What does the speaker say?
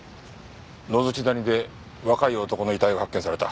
野土谷で若い男の遺体が発見された。